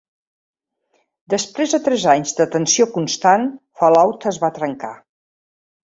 Després de tres anys de tensió constant, Fallout es va trencar.